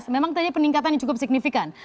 memang terjadi peningkatan yang cukup signifikan